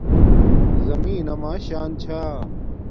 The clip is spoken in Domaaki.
زمین اما شان چھا